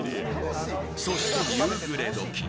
そして、夕暮れ時。